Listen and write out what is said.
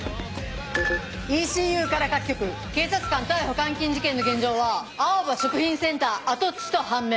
ＥＣＵから各局警察官逮捕監禁事件の現場は青葉食品センター跡地と判明。